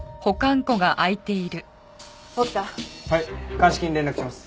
鑑識に連絡します。